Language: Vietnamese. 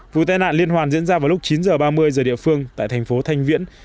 vụ tai nạn liên hoàn diễn ra vào lúc chín h ba mươi giờ địa phương tại thành phố thanh viễn